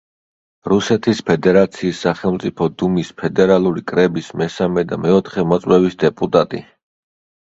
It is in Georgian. რუსეთის ფედერაციის სახელმწიფო დუმის ფედერალური კრების მესამე და მეოთხე მოწვევის დეპუტატი.